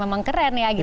tapi memang keren ya